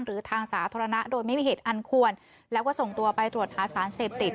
หรือทางสาธารณะโดยไม่มีเหตุอันควรแล้วก็ส่งตัวไปตรวจหาสารเสพติด